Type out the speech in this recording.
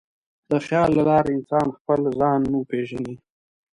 د خیال له لارې انسان خپل ځان وپېژني.